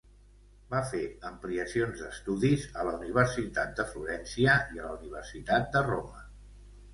Va fer ampliacions d'estudis a la Universitat de Florència i a la Universitat de Roma.